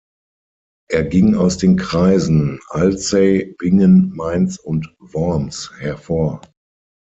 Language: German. Er ging aus den Kreisen Alzey, Bingen, Mainz und Worms hervor.